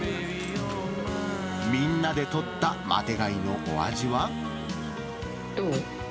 みんなで取ったマテ貝のお味どう？